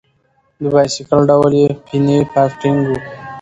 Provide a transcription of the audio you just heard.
د بایسکل ډول یې پیني فارټېنګ و.